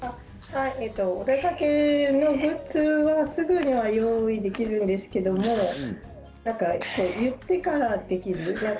お出かけグッズはすぐに用意できるんですけれど言ってからできる。